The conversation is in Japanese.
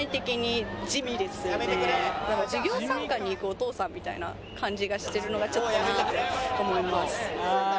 授業参観に行くお父さんみたいな感じがしてるのがちょっとなって思います。